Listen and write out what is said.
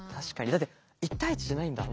だって１対１じゃないんだ。